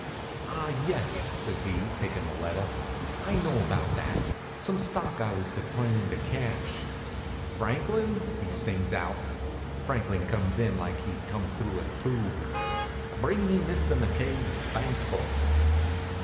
"Ah, yes!" says he, takin' the letter. "I know about that some stock I was to turn into cash. Franklin!" he sings out. Franklin comes in like he'd come through a tube. "Bring me Mr. McCabe's bank book."